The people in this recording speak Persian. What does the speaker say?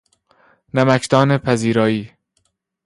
نمکدان پذیرایی